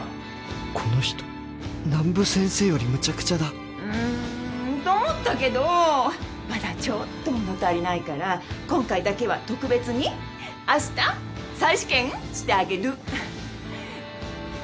この人南武先生よりむちゃくちゃだんと思ったけどまだちょっと物足りないから今回だけは特別にあした再試験してあげる。